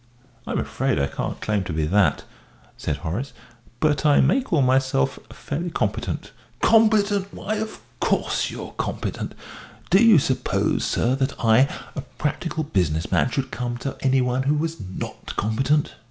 "I'm afraid I can't claim to be that," said Horace, "but I may call myself fairly competent." "Competent? Why, of course you're competent. Do you suppose, sir, that I, a practical business man, should come to any one who was not competent?"